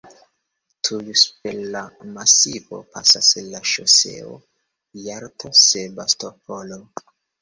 Tuj super la masivo pasas la ŝoseo Jalto-Sebastopolo.